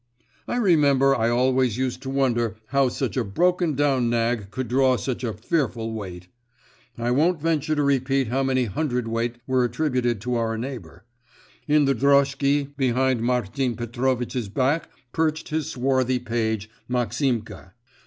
I remember I always used to wonder how such a broken down nag could draw such a fearful weight. I won't venture to repeat how many hundred weight were attributed to our neighbour. In the droshky behind Martin Petrovitch's back perched his swarthy page, Maximka.